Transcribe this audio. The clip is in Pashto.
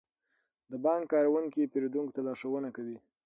د بانک کارکونکي پیرودونکو ته لارښوونه کوي.